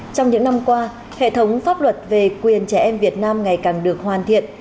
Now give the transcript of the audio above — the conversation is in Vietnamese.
trong những năm qua hệ thống pháp luật về quyền trẻ em việt nam ngày càng được hoàn thiện